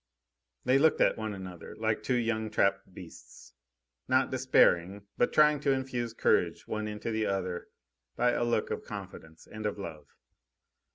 They looked at one another, like two young trapped beasts not despairing, but trying to infuse courage one into the other by a look of confidence and of love.